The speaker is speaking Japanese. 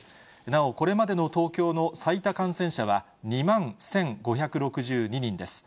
なお、これまでの東京の最多感染者は２万１５６２人です。